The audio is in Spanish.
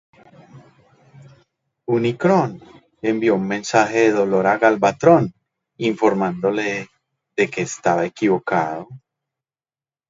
Unicron envió un mensaje de dolor a Galvatron, informándole de que estaba equivocado.